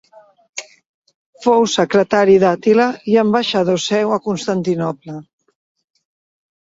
Fou secretari d'Àtila i ambaixador seu a Constantinoble.